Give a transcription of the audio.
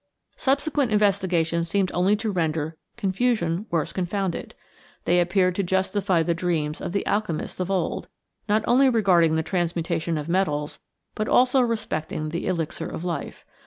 Subsequent investigations seemed only to render "confusion worse confounded." They appeared to justify the dreams of the alchemists of old, not only regarding the transmutation of metals but also respecting the elixir of life.